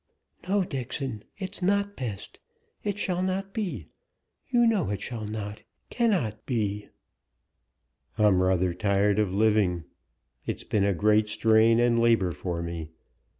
"No, Dixon, it's not best. It shall not be. You know it shall not cannot be." "I'm rather tired of living. It's been a great strain and labour for me.